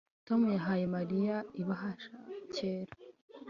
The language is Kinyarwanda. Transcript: Tom yahaye Mariya ibahasha yera